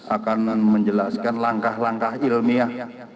akan menjelaskan langkah langkah ilmiah